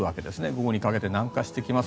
午後にかけて南下してきます。